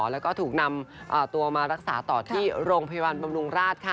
แล้วก็ถูกนำตัวมารักษาต่อที่โรงพยาบาลบำรุงราช